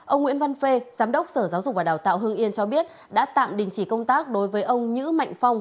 ông nguyễn văn phê giám đốc sở giáo dục và đào tạo hương yên cho biết đã tạm đình chỉ công tác đối với ông nhữ mạnh phong